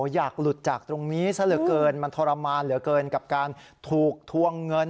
อยากหลุดจากตรงนี้ซะเหลือเกินมันทรมานเหลือเกินกับการถูกทวงเงิน